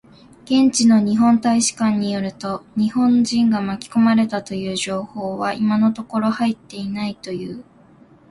現地の日本大使館によると、日本人が巻き込まれたという情報は今のところ入っていないという。